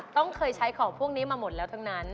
ต้องเคยใช้ของพวกนี้มาหมดแล้วทั้งนั้น